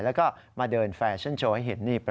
แล้วก็มาเดินแฟชั่นโชว์ให้เห็นนี่